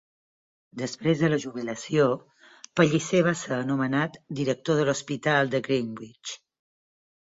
Després de la jubilació, Palliser va ser anomenat director de l"Hospital de Greenwich.